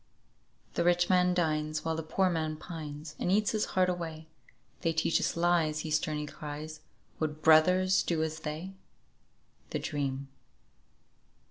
"The rich man dines, while the poor man pines, And eats his heart away; 'They teach us lies,' he sternly cries, 'Would brothers do as they?'" "THE DREAM."